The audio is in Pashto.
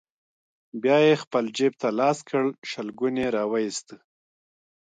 بيا يې خپل جيب ته لاس کړ، شلګون يې راوايست: